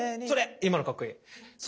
今のかっこいい。